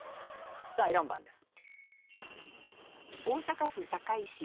さあ４番です。